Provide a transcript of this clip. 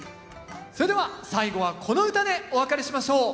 それでは最後はこの唄でお別れしましょう。